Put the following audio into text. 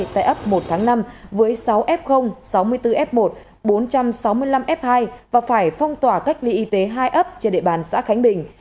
tại ấp một tháng năm với sáu f sáu mươi bốn f một bốn trăm sáu mươi năm f hai và phải phong tỏa cách ly y tế hai ấp trên địa bàn xã khánh bình